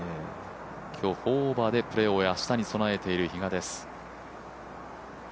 今日オーバーでプレーし、明日に備えている比嘉です。